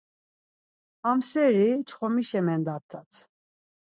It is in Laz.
Hamseri çxomişa mendaptat.